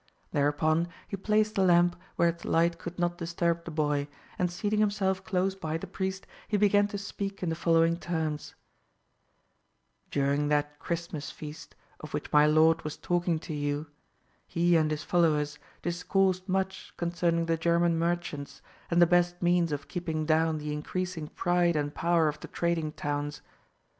Thereupon he placed the lamp where its light could not disturb the boy, and seating himself close by the priest, he began to speak in the following terms: "During that Christmas feast of which my lord was talking to you, he and his followers discoursed much concerning the German merchants, and the best means of keeping down the increasing pride and power of the trading towns.